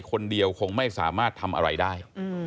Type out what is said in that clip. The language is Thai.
คนเดียวคงไม่สามารถทำอะไรได้